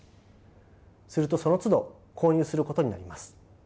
するとそのつど購入することになります。